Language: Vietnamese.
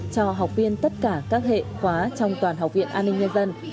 cho học viên tất cả các hệ khóa trong toàn học viện an ninh nhân dân